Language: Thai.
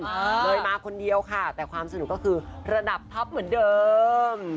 เลยมาคนเดียวค่ะแต่ความสนุกก็คือระดับท็อปเหมือนเดิม